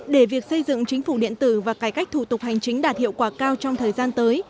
để việc xây dựng chính phủ điện tử và cải cách thủ tục hành chính đạt hiệu quả cao trong thời gian tới